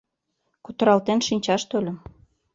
Кутыралтен шинчаш тольым.